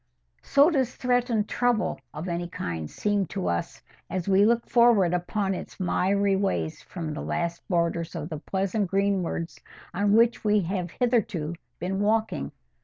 So does threatened trouble of any kind seem to us as we look forward upon its miry ways from the last borders of the pleasant greensward on which we have hitherto been walking.